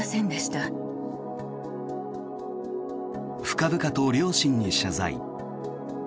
深々と両親に謝罪。